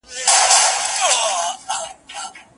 یو په یو یې د ژوند حال ورته ویلی